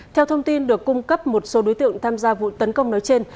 theo thông tin được cung cấp một số đối tượng tham gia vụ tấn công nói trên